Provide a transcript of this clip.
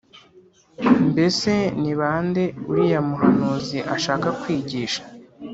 «Mbese ni bande uriya muhanuzi ashaka kwigisha ?